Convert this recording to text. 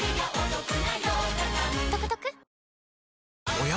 おや？